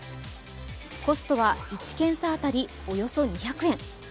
コストは１検査当たりおよそ２００円。